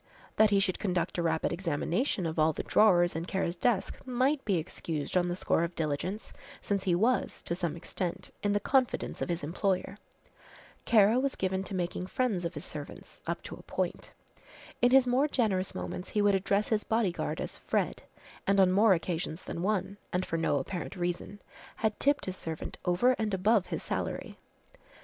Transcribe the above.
That he should conduct a rapid examination of all the drawers in Kara's desk might be excused on the score of diligence, since he was, to some extent, in the confidence of his employer. Kara was given to making friends of his servants up to a point. In his more generous moments he would address his bodyguard as "Fred," and on more occasions than one, and for no apparent reason, had tipped his servant over and above his salary.